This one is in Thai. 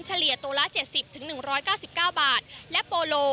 เฉลี่ยตัวละเจ็ดสิบถึงหนึ่งร้อยเก้าสิบเก้าบาทและโปโล